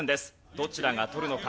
どちらが取るのか？